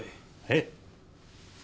えっ？